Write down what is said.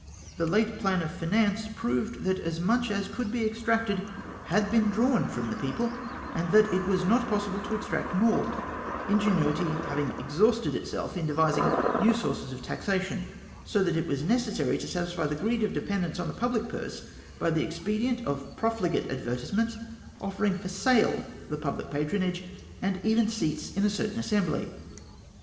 The OPPOSITION TO THE MOTION. 2'23 late plan of finance proved that as mucli as could be exacted had been drawn from the people, and that it was not possible to extract more — ingenuity having exhausted itself in devising new sources of taxation ; so that it was necessary to satisfy the greed of dependents on the public pm^se by the expedient of profligate ad vertisements, offering for sale the public patronage, and even seats in a certain assembly.